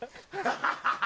ハハハハ！